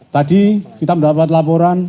tadi kita mendapat laporan